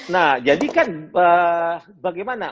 nah jadikan bagaimana